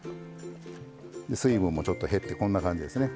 で水分もちょっと減ってこんな感じですね。